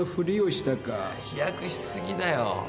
飛躍しすぎだよ。